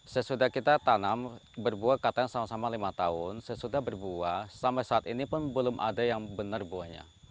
sesudah kita tanam berbuah katanya sama sama lima tahun sesudah berbuah sampai saat ini pun belum ada yang benar buahnya